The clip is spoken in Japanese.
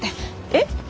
えっ？